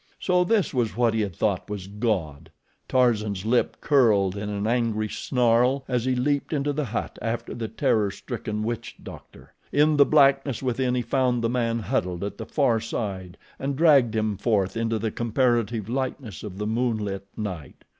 So this was what he had thought was God! Tarzan's lip curled in an angry snarl as he leaped into the hut after the terror stricken witch doctor. In the blackness within he found the man huddled at the far side and dragged him forth into the comparative lightness of the moonlit night.